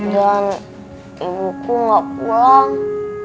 dan ibuku gak pulang